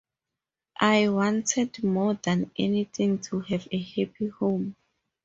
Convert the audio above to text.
I... wanted more than anything to have a happy home.